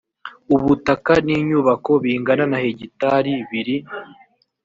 ubutaka n inyubako bingana na hegitari biri